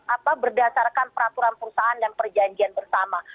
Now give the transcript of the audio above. apa berdasarkan peraturan perusahaan dan perjanjian bersama